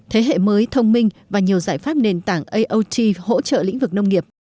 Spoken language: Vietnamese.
thế hệ mới thông minh và nhiều giải pháp nền tảng iot hỗ trợ lĩnh vực nông nghiệp